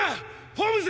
ホームズ！